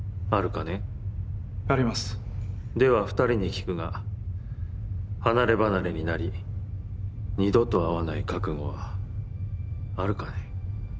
では２人に聞くが離れ離れになり二度と会わない覚悟はあるかね？